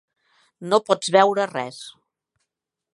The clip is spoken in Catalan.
No pots veure res.